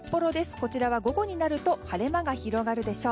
こちらは午後になると晴れ間が広がるでしょう。